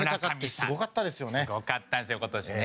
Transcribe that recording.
すごかったんですよ今年ね。